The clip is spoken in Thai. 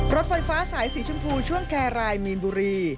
รถไฟฟ้าสายสีชมพูช่วงแครรายมีนบุรี